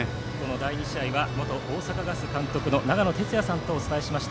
第２試合は元大阪ガス監督の長野哲也さんとお伝えしました。